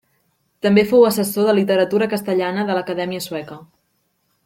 També fou assessor de literatura castellana de l'Acadèmia Sueca.